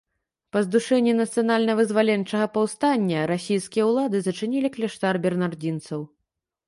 Па здушэнні нацыянальна-вызваленчага паўстання расійскія ўлады зачынілі кляштар бернардзінцаў.